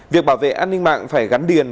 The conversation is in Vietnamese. việc bảo vệ an ninh mạng phải gắn điền